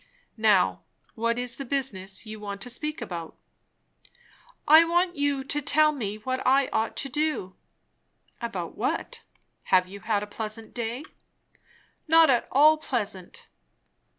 "Now what is the business you want to speak about?" "I want you to tell me what I ought to do!" "About what? Have you had a pleasant day?" "Not at all pleasant."